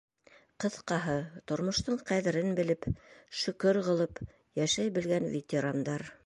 Ҡыҫҡаһы, тормоштоң ҡәҙерен белеп, шөкөр ҡылып йәшәй белгән ветерандар.